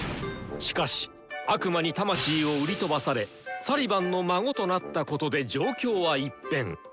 しかし悪魔に魂を売り飛ばされサリバンの孫となったことで状況は一変！